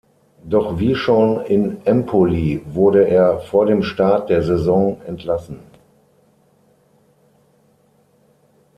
Doch wie schon in Empoli wurde er vor dem Start der Saison entlassen.